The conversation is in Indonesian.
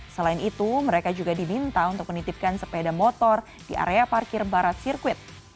selain itu mereka juga diminta untuk menitipkan sepeda motor di area parkir barat sirkuit